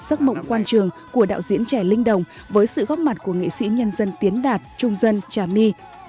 sắc mộng quan trường của đạo diễn trẻ linh đồng với sự góp mặt của nghệ sĩ nhân dân tiến đạt trung dân trà my